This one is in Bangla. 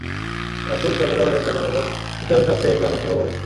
রাসূল সাল্লাল্লাহু আলাইহি ওয়াসাল্লাম এবং ইসলামের স্বার্থে এই প্রাণ উৎসর্গ করেছি।